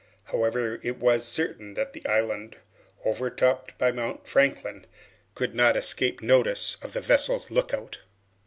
However, it was certain that the island, overtopped by Mount Franklin, could not escape the notice of the vessel's lookout.